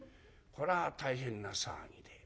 こら大変な騒ぎで。